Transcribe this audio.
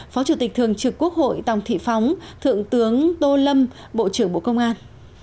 phó chủ tịch thường trực quốc hội tòng thị phóng thượng tướng tô lâm bộ trưởng bộ công an